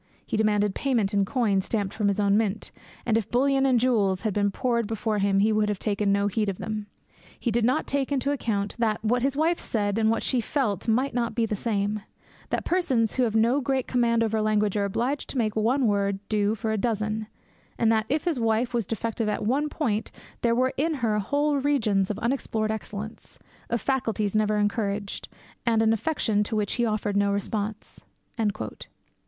He demanded payment in coin stamped from his own mint, and if bullion and jewels had been poured before him he would have taken no heed of them. He did not take into account that what his wife said and what she felt might not be the same; that persons who have no great command over language are obliged to make one word do duty for a dozen; and that, if his wife was defective at one point, there were in her whole regions of unexplored excellence, of faculties never encouraged, and an affection to which he offered no response.'